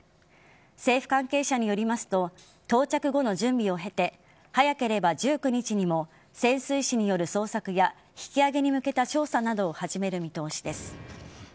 政府関係者によりますと到着後の準備を経て早ければ１９日にも潜水士による捜索や引き揚げに向けた調査などを始める見通しです。